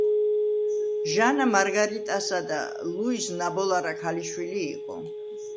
ჟანა მარგარიტასა და ლუის ნაბოლარა ქალიშვილი იყო.